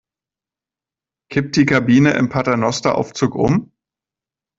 Kippt die Kabine im Paternosteraufzug um?